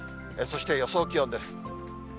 そして予想気温です。